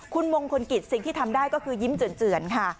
คุณมงคลกิจสิ่งที่ทำได้ก็คือยิ้มเจือนค่ะ